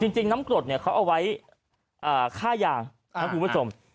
จริงน้ำกรดเขาเอาไว้ค่ายางคุณผู้ชม